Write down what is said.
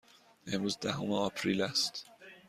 امروز دهم آپریل است.